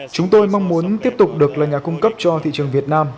chúng tôi mong muốn tiếp tục được là nhà cung cấp cho thị trường việt nam